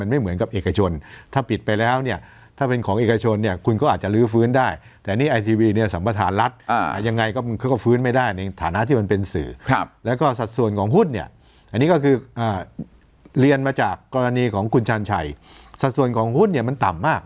สัตว์ส่วนของหุ้ดเนี่ยมันต่ำมาก